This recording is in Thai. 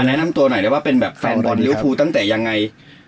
แนะนำตัวหน่อยได้ว่าเป็นแบบแฟนบอลลิวภูตั้งแต่ยังไง